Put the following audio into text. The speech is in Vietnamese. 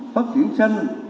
phát triển xanh